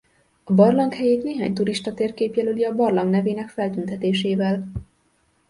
A barlang helyét néhány turistatérkép jelöli a barlang nevének feltüntetésével.